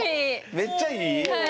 めっちゃいい？